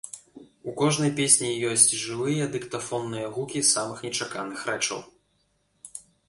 У кожнай песні ёсць жывыя дыктафонныя гукі самых нечаканых рэчаў.